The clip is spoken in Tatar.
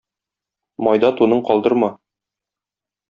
Майда туның калдырма.